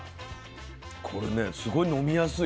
これねすごい飲みやすい。